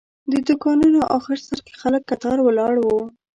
د دوکانونو آخر سر کې خلک کتار ولاړ وو.